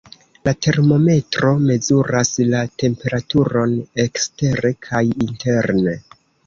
La termometro mezuras la temperaturon ekstere kaj interne.